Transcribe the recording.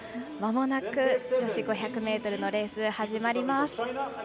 まもなく女子５００ｍのレース始まります。